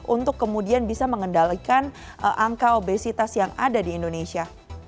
untuk kemudian bisa mengendalikan angka obesitas yang ada di indonesia